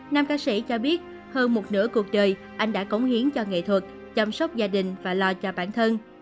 nam ca sĩ cho biết hơn một nửa cuộc đời anh đã cống hiến cho nghệ thuật chăm sóc gia đình và lo cho bản thân